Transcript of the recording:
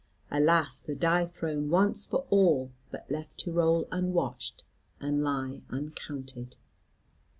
Alas the die thrown once for all, but left to roll unwatched, and lie uncounted!